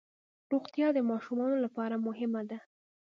روغتیا د ماشومانو لپاره مهمه ده.